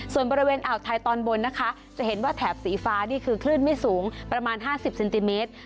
ส่วนบริเวณอ่าวไทยตอนบนนะคะจะเห็นว่าแถบสีฟ้านี่คือคลื่นไม่สูงประมาณ๕๐เซนติเมตร